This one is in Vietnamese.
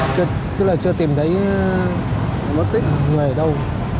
chứ tức là chưa tìm thấy mất tích người ở đâu